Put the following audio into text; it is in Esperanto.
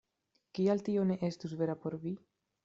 Kial tio ne estus vera por vi?